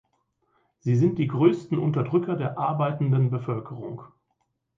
Sie sind die größten Unterdrücker der arbeitenden Bevölkerung.